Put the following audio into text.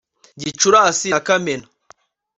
Gicurasi na Kamena